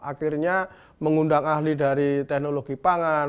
akhirnya mengundang ahli dari teknologi pangan